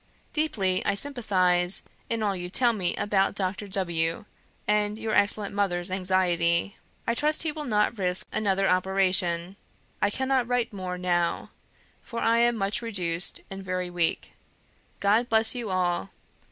Deeply I sympathise in all you tell me about Dr. W. and your excellent mother's anxiety. I trust he will not risk another operation. I cannot write more now; for I am much reduced and very weak. God bless you all.